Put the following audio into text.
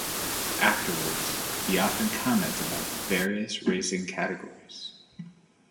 Afterwards, he often comments about various racing categories.